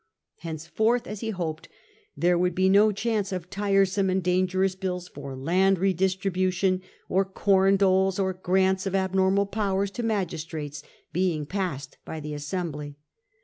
Henceforth, as he hoped, there would be no chance of tiresome and dan gerous bills for land distributions, or corn doles, or grants of abnormal powers to magistrates, being passed by the assembly.